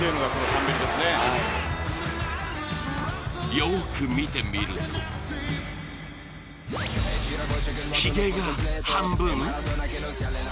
よく見てみるとひげが半分？